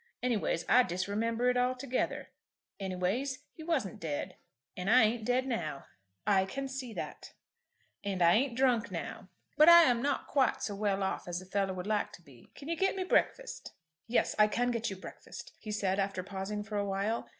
Anyways I disremember it altogether. Anyways he wasn't dead. And I ain't dead now." "I can see that." "And I ain't drunk now. But I am not quite so well off as a fellow would wish to be. Can you get me breakfast?" "Yes, I can get you breakfast," he said, after pausing for a while.